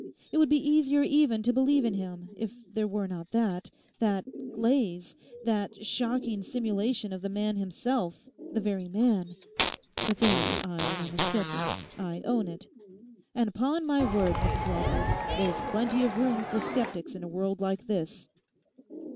It would be easier even to believe in him, if there were not that—that glaze, that shocking simulation of the man himself, the very man. But then, I am a sceptic; I own it. And 'pon my word, Mrs Lawford, there's plenty of room for sceptics in a world like this.